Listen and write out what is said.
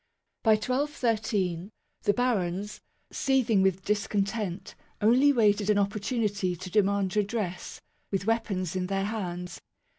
By 1213, the barons, seething with discontent, only waited an opportunity to demand redress, with weapons in their hands.